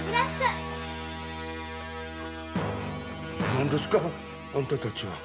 何ですか⁉あんたたちは。